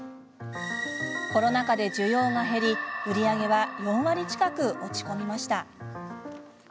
コロナ禍で需要が減り売り上げは４割近く落ち込みました。